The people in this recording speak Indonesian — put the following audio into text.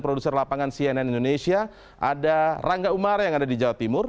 produser lapangan cnn indonesia ada rangga umar yang ada di jawa timur